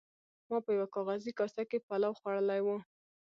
ما په یوه کاغذي کاسه کې پلاو خوړلی و.